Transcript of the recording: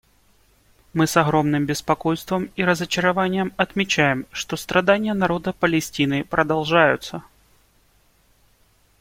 Мы с огромным беспокойством и разочарованием отмечаем, что страдания народа Палестины продолжаются.